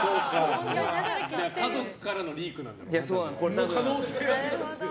家族からのリークなんだ、これ。